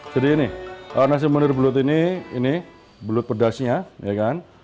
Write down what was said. jadi ini nasi mendir belut ini ini belut pedasnya ya kan